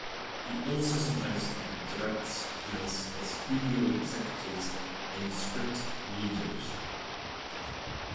He also sometimes directs comments at studio executives and script readers.